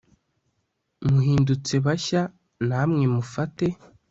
muhindutse bashya, namwe mufate